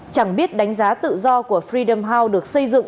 chẳng biết đánh giá tự do của fredam house được xây dựng